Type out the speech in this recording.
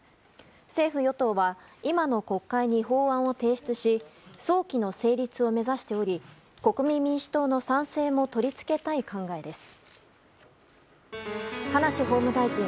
政府・与党は今の国会に法案を提出し早期の成立を目指しており国民民主党の賛成も取り付けたい考えです。